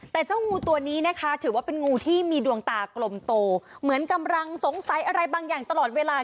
แต่เจ้างูตัวนี้นะคะถือว่าเป็นงูที่มีดวงตากลมโตเหมือนกำลังสงสัยอะไรบางอย่างตลอดเวลา